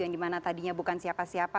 yang dimana tadinya bukan siapa siapa